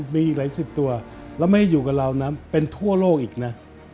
มีอีกหลายสิบตัวแล้วไม่ได้อยู่กับเรานะเป็นทั่วโลกอีกนะ